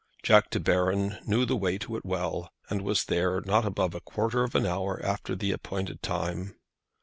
Jack De Baron knew the way to it well, and was there not above a quarter of an hour after the appointed time.